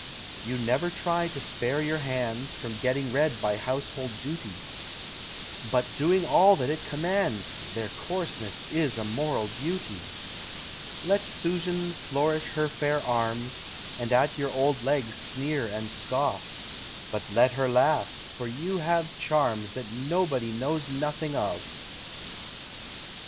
You never try to spare your hands From getting red by household duty, But doing all that it commands, Their coarseness is a moral beauty. Let Susan flourish her fair arms, And at your old legs sneer and scoff, But let her laugh, for you have charms That nobody knows nothing of.